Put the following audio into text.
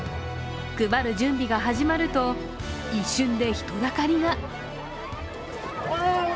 配る準備が始まると、一瞬で人だかりが。